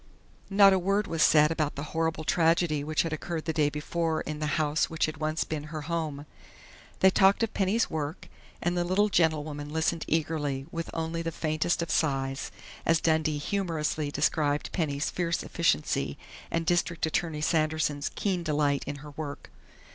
Not a word was said about the horrible tragedy which had occurred the day before in the house which had once been her home. They talked of Penny's work, and the little gentlewoman listened eagerly, with only the faintest of sighs, as Dundee humorously described Penny's fierce efficiency and District Attorney Sanderson's keen delight in her work.